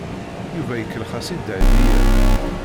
Yuba ikellex-as i Dahbiya.